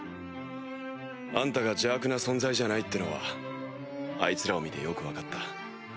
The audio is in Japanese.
あんたが邪悪な存在じゃないってのはあいつらを見てよく分かった。